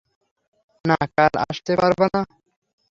না, কাল আসতে পারব না।